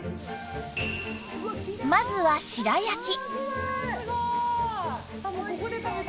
まずは白焼き